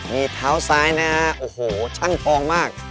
มีเท้าซ้ายนะฮะโอ้โหช่างทองมาก